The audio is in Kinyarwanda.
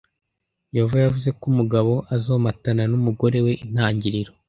Yehova yavuze ko umugabo azomatana n umugore we intangiriro